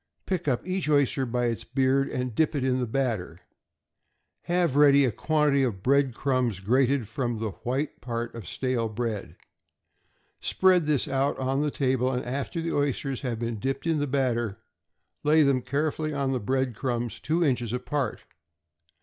Pick up each oyster by its beard, and dip it in the batter. Have ready a quantity of bread crumbs grated from the white part of stale bread; spread this out on the table, and after the oysters have been dipped in the batter lay them carefully on the bread crumbs two inches apart.